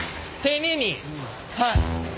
はい。